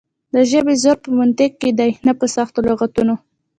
د ژبې زور په منطق کې دی نه په سختو لغتونو.